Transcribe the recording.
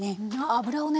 油をね